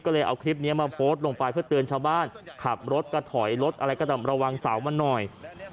ก็เลยเอาคลิปนี้มาโพสต์ลงไปเพื่อเตือนชาวบ้านขับรถก็ถอยรถอะไรก็ต้องระวังเสามันหน่อย